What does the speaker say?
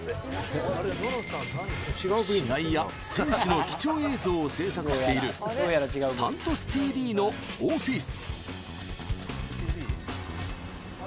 試合や選手の貴重映像を制作しているサントスＴＶのオフィス。